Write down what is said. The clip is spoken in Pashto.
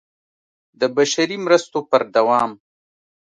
د بشري مرستو پر دوام